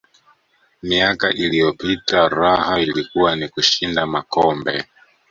miaka iliyopita raha ilikuwa ni kushinda makombe